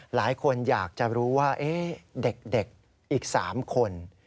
หลายคนอยากจะรู้ว่าเด็กอีก๓คน